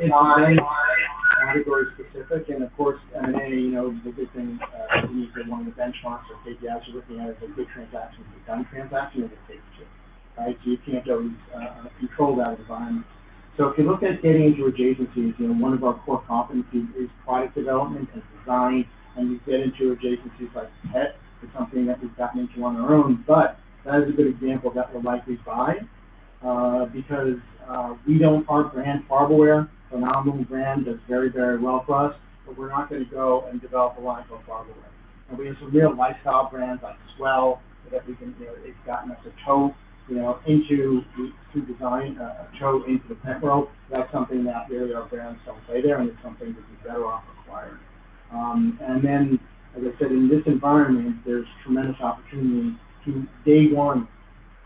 It's category specific, and of course, M&A, you know, existing, anything one of the benchmarks or KPIs you're looking at is a good transaction to a done transaction or a safe trade, right? So you can't always control that environment, so if you look at getting into adjacencies, you know, one of our core competencies is product development and design, and you get into adjacencies like pet is something that we've gotten into on our own. But that is a good example that we're likely buying, because we don't, our brand, Farberware, phenomenal brand, does very, very well for us, but we're not gonna go and develop a line for Farberware, and we have some real lifestyle brands like S'well that we can, you know, it's gotten us a toehold, you know, into the food design, a toehold into the pet world. That's something that really our brands don't play there. And it's something that we're better off acquired. And then, as I said, in this environment, there's tremendous opportunity to day one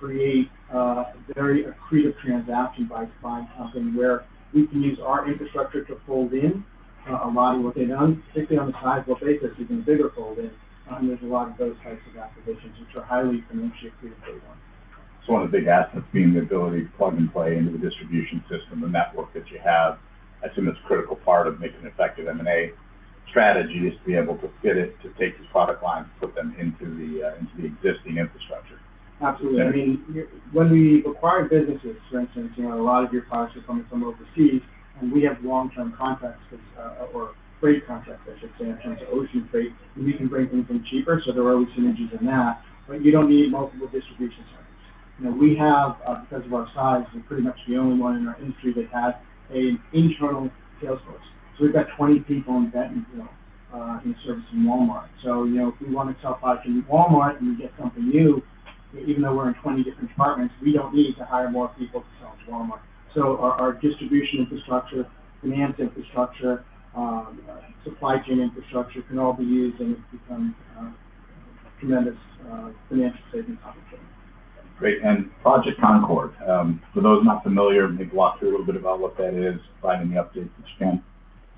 create a very accretive transaction by buying something where we can use our infrastructure to fold in a lot of what they've done, particularly on the sizable basis using a bigger fold-in. And there's a lot of those types of acquisitions which are highly financially accretive day one. One of the big assets being the ability to plug and play into the distribution system, the network that you have. I assume that's a critical part of making an effective M&A strategy is to be able to fit it, to take these product lines, put them into the existing infrastructure. Absolutely. I mean, when we acquire businesses, for instance, you know, a lot of your products are coming from overseas. And we have long-term contracts with, or freight contracts, I should say, in terms of ocean freight. And we can bring things in cheaper. So there are always synergies in that. But you don't need multiple distribution centers. You know, we have, because of our size, we're pretty much the only one in our industry that has an internal sales force. So we've got 20 people in Bentonville, in service in Walmart. So, you know, if we wanna sell products in Walmart and we get something new, even though we're in 20 different departments, we don't need to hire more people to sell to Walmart. So our distribution infrastructure, finance infrastructure, supply chain infrastructure can all be used. And it becomes tremendous financial savings opportunity. Great. And Project Concord, for those not familiar, maybe walk through a little bit about what that is. Provide any updates if you can.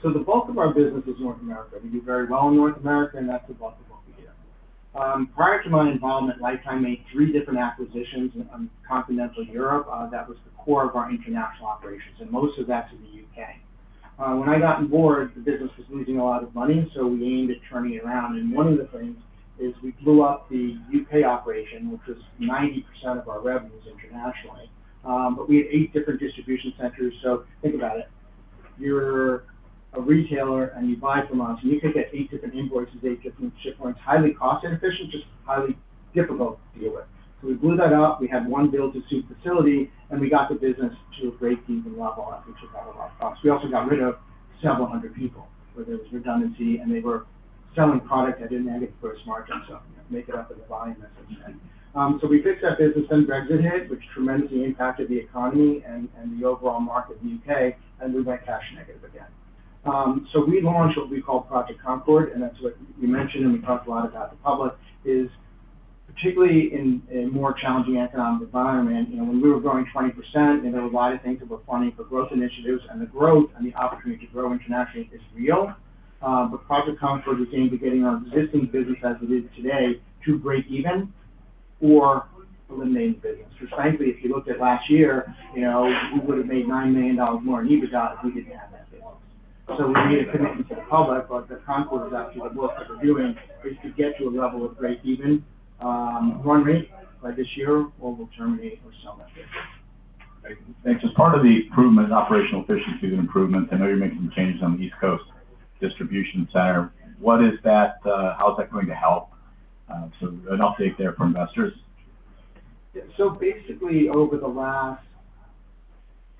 So the bulk of our business is North America. We do very well in North America. And that's the bulk of what we do. Prior to my involvement, Lifetime made three different acquisitions in Continental Europe. That was the core of our international operations. And most of that's in the U.K. When I got on board, the business was losing a lot of money. So we aimed at turning it around. And one of the things is we blew up the U.K. operation, which was 90% of our revenues internationally. But we had eight different distribution centers. So think about it. You're a retailer. And you buy from us. And you could get eight different invoices, eight different shipments. Highly cost inefficient, just highly difficult to deal with. So we blew that up. We had one build-to-suit facility. And we got the business to a great degree of leverage, which was one of our goals. We also got rid of several hundred people where there was redundancy. And they were selling product that didn't add any gross margin. So, you know, make it up in the volume as it's spent. So we fixed that business. Then Brexit hit, which tremendously impacted the economy and the overall market in the U.K. And we went cash negative again. So we launched what we called Project Concord. And that's what you mentioned. And we talked a lot about the P&L basis, particularly in a more challenging economic environment, you know, when we were growing 20%. And there were a lot of things that were funding for growth initiatives. And the growth and the opportunity to grow internationally is real. But Project Concord was aimed at getting our existing business as it is today to break even or eliminate the business, which frankly, if you looked at last year, you know, we would've made $9 million more in EBITDA if we didn't have that business. So we made a commitment to the public. But the Concord is actually the work that we're doing is to get to a level of break-even, run rate by this year, or we'll terminate or sell that business. Great. Thanks. As part of the improvement, operational efficiency improvements, I know you're making some changes on the East Coast distribution center. What is that? How's that going to help? So an update there for investors. Yeah, so basically, over the last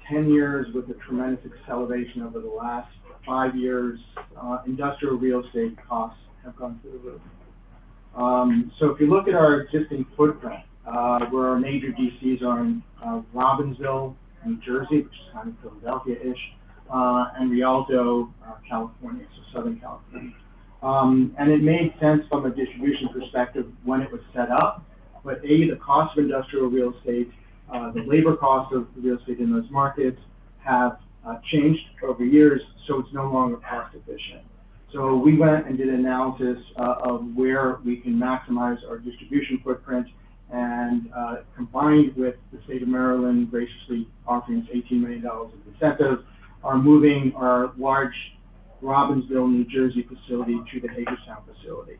10 years, with a tremendous acceleration over the last five years, industrial real estate costs have gone through the roof, so if you look at our existing footprint, where our major DCs are in Robbinsville, New Jersey, which is kind of Philadelphia-ish, and Rialto, California, so Southern California, and it made sense from a distribution perspective when it was set up, but a, the cost of industrial real estate, the labor cost of the real estate in those markets have changed over years, so it's no longer cost-efficient, so we went and did analysis of where we can maximize our distribution footprint, and combined with the state of Maryland graciously offering us $18 million in incentives, are moving our large Robbinsville, New Jersey facility to the Hagerstown facility.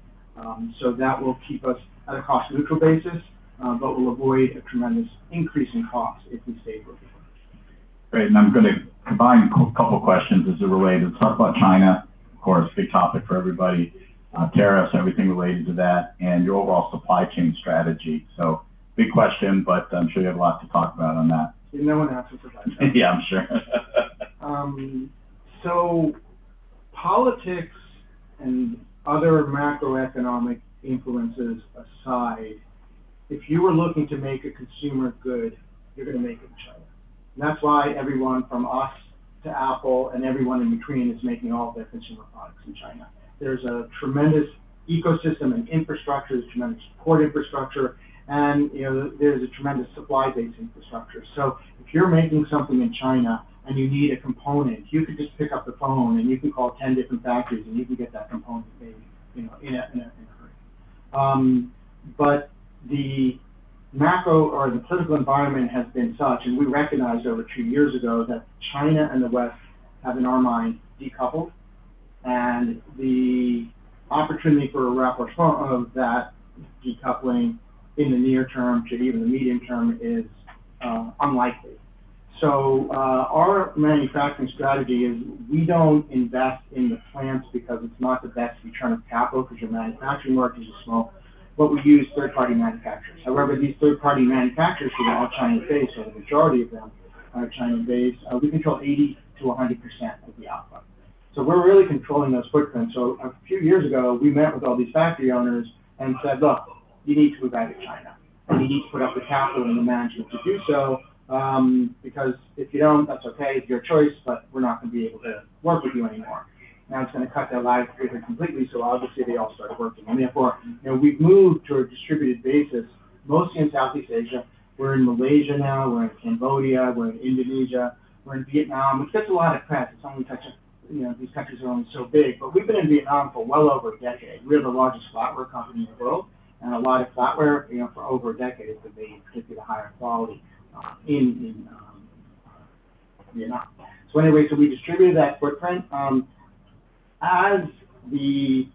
So that will keep us at a cost-neutral basis, but will avoid a tremendous increase in cost if we stay broken. Great. And I'm gonna combine a couple of questions as it relates. Talk about China, of course, big topic for everybody, tariffs, everything related to that, and your overall supply chain strategy. So big question, but I'm sure you have a lot to talk about on that. You know what answer to that. Yeah, I'm sure. So politics and other macroeconomic influences aside, if you were looking to make a consumer good, you're gonna make it in China. And that's why everyone from us to Apple and everyone in between is making all of their consumer products in China. There's a tremendous ecosystem and infrastructure. There's tremendous support infrastructure. And, you know, there's a tremendous supply base infrastructure. So if you're making something in China and you need a component, you could just pick up the phone and you can call 10 different factories and you can get that component made, you know, in a hurry. But the macro or the political environment has been such. And we recognized over two years ago that China and the West have, in our mind, decoupled. The opportunity for a repeat of that decoupling in the near term or even the medium term is unlikely. Our manufacturing strategy is we don't invest in the plants because it's not the best return of capital because our manufacturing market is small. But we use third-party manufacturers. However, these third-party manufacturers that are all China-based, or the majority of them are China-based, we control 80%-100% of the output. So we're really controlling those footprints. A few years ago, we met with all these factory owners and said, "Look, you need to diversify away from China. And you need to put up the capital and the management to do so, because if you don't, that's okay. It's your choice. But we're not gonna be able to work with you anymore." Now, it's gonna cut their ties to China completely. So obviously, they all started working. Therefore, you know, we've moved to a distributed basis, mostly in Southeast Asia. We're in Malaysia now. We're in Cambodia. We're in Indonesia. We're in Vietnam, which gets a lot of press. It's only a country—you know, these countries are only so big. But we've been in Vietnam for well over a decade. We're the largest flatware company in the world. And a lot of flatware, you know, for over a decade has been made particularly the higher quality in Vietnam. So anyway, so we distributed that footprint. As the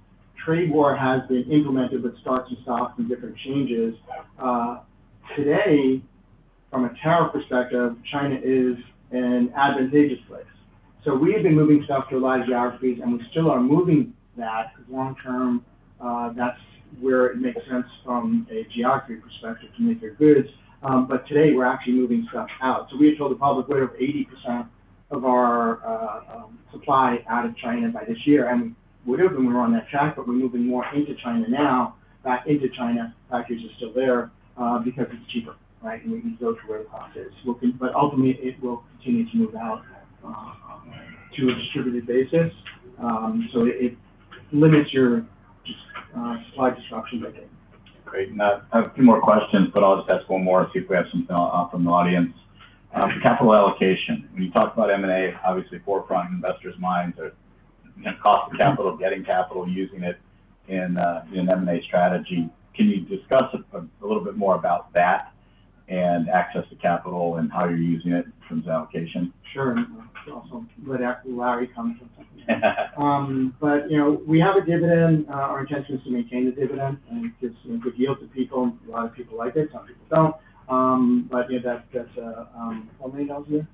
trade war has been implemented with starts and stops and different changes, today, from a tariff perspective, China is an advantageous place. So we have been moving stuff to a lot of geographies. And we still are moving that long-term. That's where it makes sense from a geography perspective to make our goods. But today, we're actually moving stuff out. So we had told the public we have 80% of our supply out of China by this year. And we would've been. We were on that track. But we're moving more into China now, back into China. Factories are still there, because it's cheaper, right? And we can go to where the cost is. We'll continue, but ultimately, it will continue to move out, to a distributed basis. So it limits your just supply disruption that day. Great, and I have a few more questions. But I'll just ask one more to see if we have something from the audience. Capital allocation. When you talk about M&A, obviously, forefront in investors' minds are, you know, cost of capital, getting capital, using it in an M&A strategy. Can you discuss a little bit more about that and access to capital and how you're using it in terms of allocation? Sure. So I'll let Larry comment on something, but you know, we have a dividend. Our intention is to maintain the dividend, and it gives, you know, good yield to people. A lot of people like it. Some people don't, but you know, that's how many dollars a year?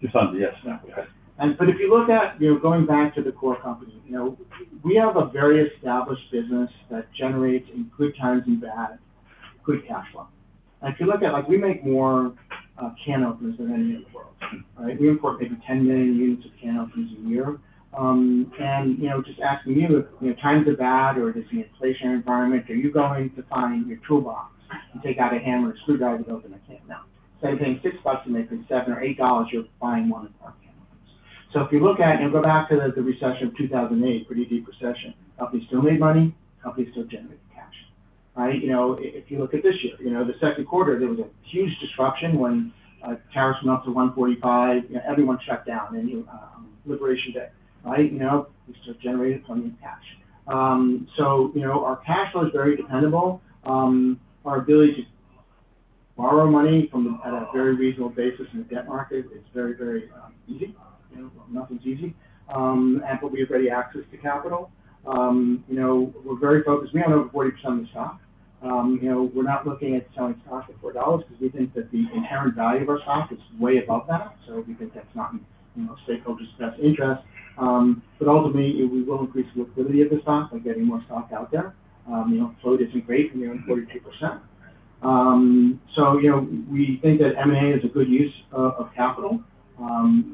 Two thousand, yes. Yeah, we have. But if you look at, you know, going back to the core company, you know, we have a very established business that generates in good times and bad good cash flow. And if you look at, like, we make more can openers than anyone else in the world, right? We import maybe 10 million units of can openers a year. And, you know, just asking you, you know, times are bad or it is an inflationary environment, are you going to find your toolbox and take out a hammer and screwdriver to open a can? No. Same thing. $6 to make it $7 or $8, you're buying one of our can openers. So if you look at, you know, go back to the recession of 2008, pretty deep recession, companies still made money. Companies still generated cash, right? You know, if you look at this year, you know, the second quarter, there was a huge disruption when tariffs went up to 145%. You know, everyone shut down. And you know, Liberation Day, right? You know, we still generated plenty of cash. So you know, our cash flow is very dependable. Our ability to borrow money from the bank at a very reasonable basis in the debt market is very, very easy. You know, nothing's easy, and we have ready access to capital. You know, we're very focused. We own over 40% of the stock. You know, we're not looking at selling stock for $4 because we think that the inherent value of our stock is way above that. So we think that's not in, you know, stakeholders' best interest. But ultimately, we will increase the liquidity of the stock by getting more stock out there. You know, the float isn't great when you're in 42%. So, you know, we think that M&A is a good use of capital.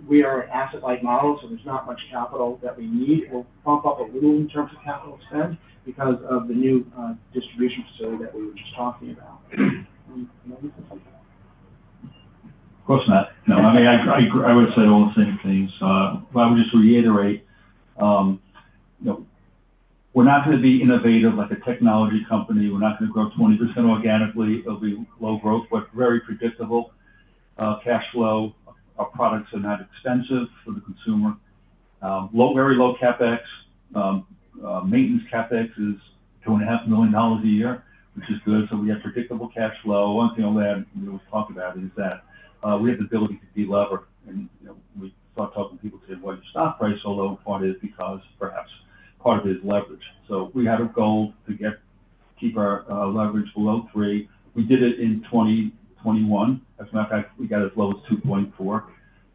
We are an asset-light model. So there's not much capital that we need. We'll pump up a little in terms of capital expense because of the new distribution facility that we were just talking about. Of course, that. No, I mean, I would say all the same things. But I would just reiterate, you know, we're not gonna be innovative like a technology company. We're not gonna grow 20% organically. It'll be low growth but very predictable cash flow. Our products are not expensive for the consumer. Low, very low CapEx. Maintenance CapEx is $2.5 million a year, which is good. So we have predictable cash flow. One thing I'll add, you know, we talked about is that we have the ability to deleverage. And, you know, we start talking to people today, "Why is your stock price so low?" Part of it is because perhaps part of it is leverage. So we had a goal to keep our leverage below 3. We did it in 2021. As a matter of fact, we got as low as 2.4.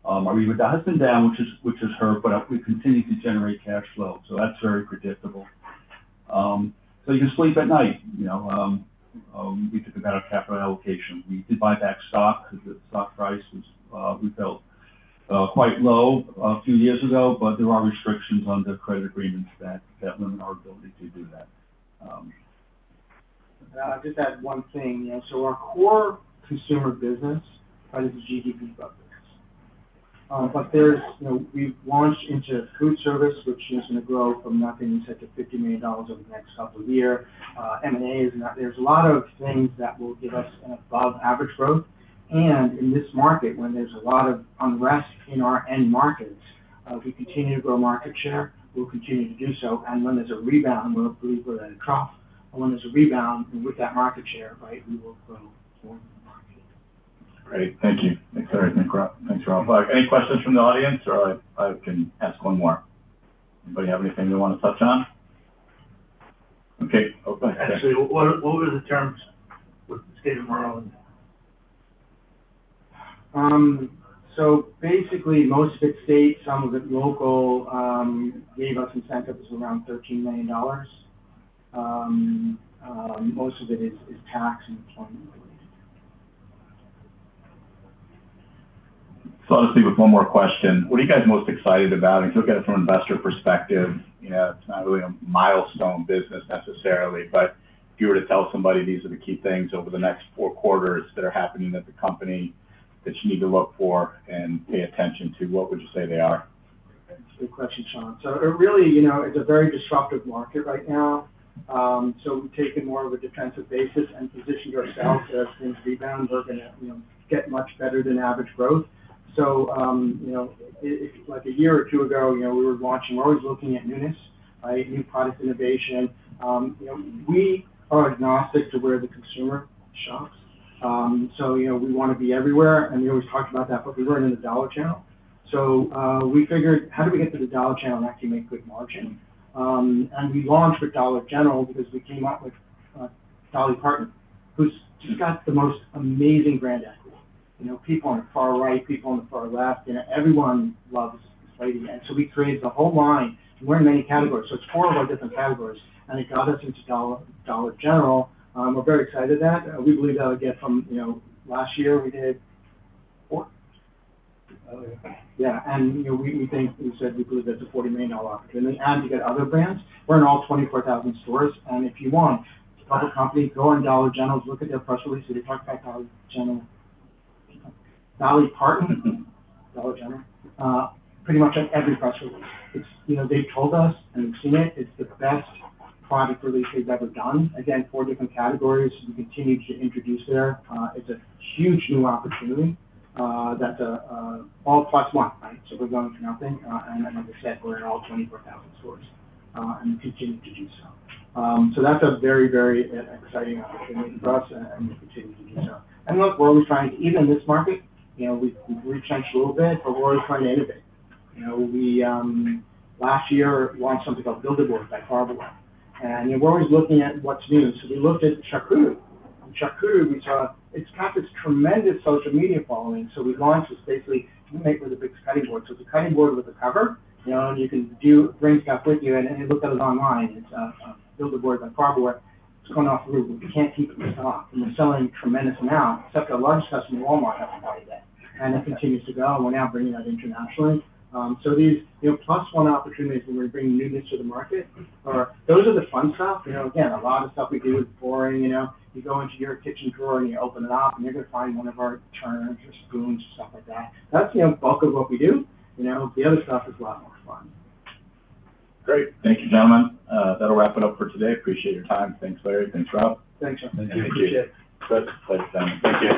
Our EBITDA has been down, which is hurt. But we continue to generate cash flow. So that's very predictable. So you can sleep at night, you know. We took a better capital allocation. We did buy back stock because the stock price was, we felt, quite low, a few years ago. But there are restrictions on the credit agreements that limit our ability to do that. I'll just add one thing, you know. So our core consumer business, right, is the GBB bundles. But there's, you know, we've launched into food service, which is gonna grow from nothing to $50 million over the next couple of years. M&A is not. There's a lot of things that will give us an above-average growth. And in this market, when there's a lot of unrest in our end markets, we continue to grow market share. We'll continue to do so. And when there's a rebound, we'll believe we're at a trough. And when there's a rebound, and with that market share, right, we will grow more than the market. Great. Thank you. Thanks for everything, Rob. Thanks, Rob. Any questions from the audience? Or I can ask one more. Anybody have anything they wanna touch on? Okay. Oh, go ahead. Actually, what were the terms with the state of Maryland? So, basically, most of it's state, some of it local. Gave us incentives of around $13 million. Most of it is tax and employment related. So I'll just leave with one more question. What are you guys most excited about? And if you look at it from an investor perspective, you know, it's not really a milestone business necessarily. But if you were to tell somebody these are the key things over the next four quarters that are happening at the company that you need to look for and pay attention to, what would you say they are? That's a good question, Sean. So really, you know, it's a very disruptive market right now. So we've taken more of a defensive posture and positioned ourselves as things rebound. We're gonna, you know, get much better than average growth. So, you know, if like a year or two ago, you know, we were launching, we're always looking at newness, right? New product innovation. You know, we are agnostic to where the consumer shops. So, you know, we wanna be everywhere. And we always talked about that. But we weren't in the dollar channel. So, we figured, how do we get to the dollar channel and actually make good margin? And we launched with Dollar General because we came up with Dolly Parton, who's just got the most amazing brand equity. You know, people on the far right, people on the far left, you know, everyone loves this lady. And so we created the whole line. We're in many categories. So it's four of our different categories. And it got us into Dollar General. We're very excited about that. We believe that'll get from, you know, last year we did four. Oh, yeah. Yeah. And you know, we think we said we believe that's a $40 million opportunity, and you get other brands. We're in all 24,000 stores, and if you want, it's a public company. Go on Dollar General. Look at their press release. They talk about Dollar General Dolly Parton. Mm-hmm. Dollar General pretty much on every press release. It's, you know, they've told us and we've seen it. It's the best product release they've ever done. Again, four different categories. We continue to introduce there. It's a huge new opportunity. That's a, all plus one, right? So we're going from nothing. And, and like I said, we're in all 24,000 stores. And we continue to do so. So that's a very, very exciting opportunity for us. And we continue to do so. And look, we're always trying to, even in this market, you know, we've, we've rearranged a little bit. But we're always trying to innovate. You know, we last year launched something called Build-A-Board by Farberware. And, you know, we're always looking at what's new. So we looked at charcuterie. And charcuterie, we saw it's got this tremendous social media following. So we launched this basically, we make with a big cutting board. So it's a cutting board with a cover, you know, and you can bring stuff with you. And you look at it online. It's Build-A-Board by Farberware. It's gone through the roof. We can't keep it in stock. And we're selling a tremendous amount except our largest customer, Walmart, hasn't bought it yet. And it continues to grow. And we're now bringing that internationally. So these, you know, plus one opportunities when we bring newness to the market. Or those are the fun stuff. You know, again, a lot of stuff we do is boring, you know. You go into your kitchen drawer and you open it up. And you're gonna find one of our churns or spoons or stuff like that. That's, you know, bulk of what we do. You know, the other stuff is a lot more fun. Great. Thank you, gentlemen. That'll wrap it up for today. Appreciate your time. Thanks, Larry. Thanks, Rob. Thanks, Sean. Thank you. I appreciate it. Good. Thanks, Sean. Thank you.